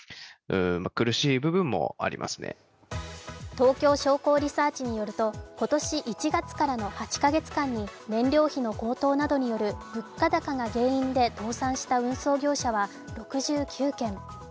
東京商工リサーチによると今年１月からの８か月間に燃料費の高騰などによる物価高が原因で倒産した運送業者は６９件。